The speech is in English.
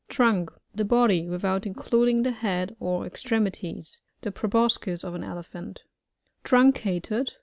Trunk. — The body without including the head or extremities. The pro* boscis of an Elephant Truncated.